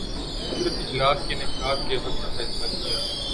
صرف اجلاس کے انعقاد کے وقت کا فیصلہ کیا